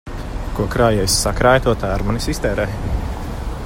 Ko krājējs sakrāj, to tērmanis iztērē.